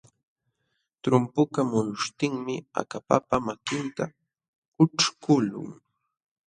Trumpukaq muyuśhtinmi akapapa makinta ućhkuqlun.